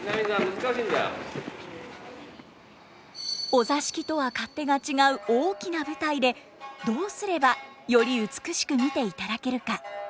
お座敷とは勝手が違う大きな舞台でどうすればより美しく見ていただけるか。